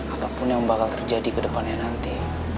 apapun yang bakal terjadi kedepannya nanti